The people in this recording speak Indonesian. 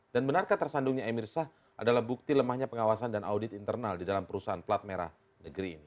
benarkah tersandungnya emir sah adalah bukti lemahnya pengawasan dan audit internal di dalam perusahaan plat merah negeri ini